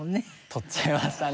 獲っちゃいましたね。